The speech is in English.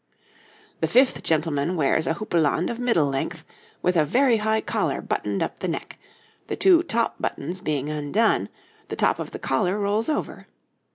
}] The fifth gentleman wears a houppelande of middle length, with a very high collar buttoned up the neck, the two top buttons being undone; the top of the collar rolls over.